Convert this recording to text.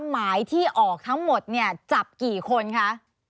หมายที่ออกทั้งหมดเนี่ยจับกี่คนคะ